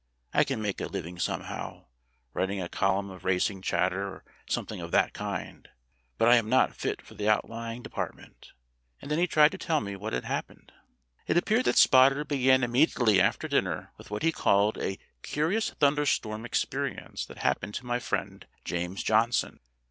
I can make a living homehow write a column of racing chatter or something of that kind but I am not fit for the Outlying Depart ment." And then he tried to tell me what had hap pened 62 STORIES WITHOUT TEARS It appeared that Spotter began immediately after dinner with what he called "a curious thunderstorm experience that happened to my friend James John son."